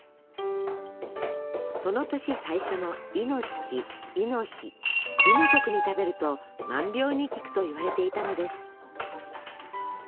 その年最初の亥の月亥の日亥の刻に食べると「万病に効く」といわれていたのです。